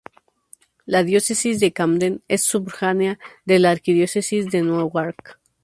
La Diócesis de Camden es sufragánea de la Arquidiócesis de Newark.